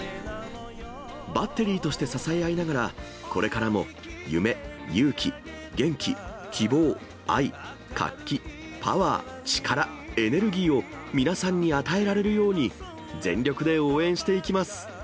バッテリーとして支え合いながら、これからも夢、勇気、元気、希望、愛、活気、パワー、力、エネルギーを皆さんに与えられるように、全力で応援していきます。